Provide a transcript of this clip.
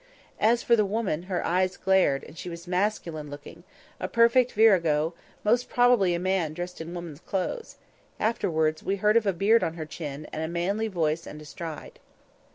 As for the woman, her eyes glared, and she was masculine looking—a perfect virago; most probably a man dressed in woman's clothes; afterwards, we heard of a beard on her chin, and a manly voice and a stride.